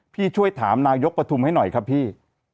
พี่ช่วยถามนายกประทุมให้หน่อยครับพี่